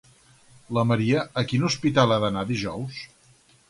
La Maria a quin hospital ha d'anar dijous?